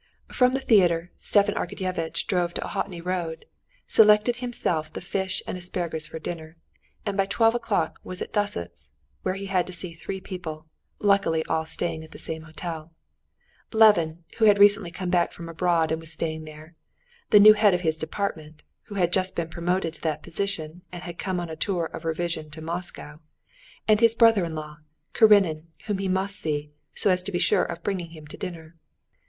From the theater Stepan Arkadyevitch drove to Ohotny Row, selected himself the fish and asparagus for dinner, and by twelve o'clock was at Dussots', where he had to see three people, luckily all staying at the same hotel: Levin, who had recently come back from abroad and was staying there; the new head of his department, who had just been promoted to that position, and had come on a tour of revision to Moscow; and his brother in law, Karenin, whom he must see, so as to be sure of bringing him to dinner.